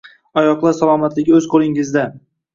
Oyoqlar salomatligi o‘z qo‘lingizda!